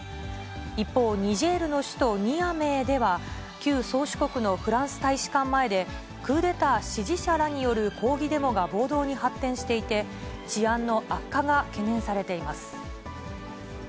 一方、ニジェールの首都ニアメーでは、旧宗主国のフランス大使館前で、クーデター支持者らによる抗議デモが暴動に発展していて、治安の悪化が懸念されています。